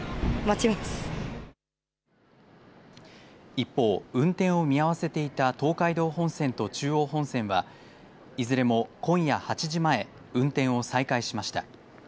一方、運転を見合わせていた東海道本線と中央本線は、いずれも今夜８時前運転を再開しました。